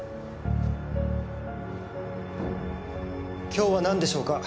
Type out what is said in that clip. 今日はなんでしょうか？